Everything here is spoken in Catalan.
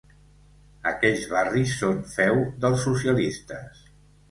Aquells barris són feu dels socialistes.